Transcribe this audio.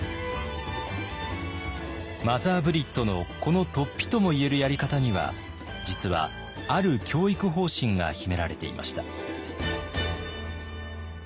マザー・ブリットのこのとっぴとも言えるやり方には実はある教育方針が秘められていました。